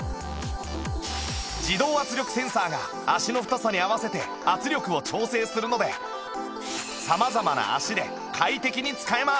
自動圧力センサーが足の太さに合わせて圧力を調整するので様々な足で快適に使えます